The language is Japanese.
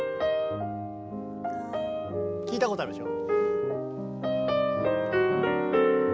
聞いたことあるでしょ。